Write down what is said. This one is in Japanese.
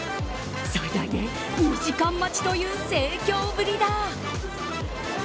最大で２時間待ちという盛況ぶりだ。